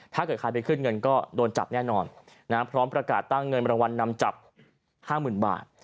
ถ้าเกิดใครไปขึ้นเงินก็โดนจับแน่นอนพร้อมประกาศตั้งเงินรางวัลนำจับ๕๐๐๐บาท